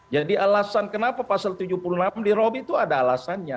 jadi alasan kenapa pasal tujuh puluh enam di robi itu ada alasannya